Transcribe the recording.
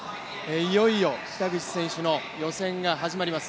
いよいよ、北口選手の予選が始まります。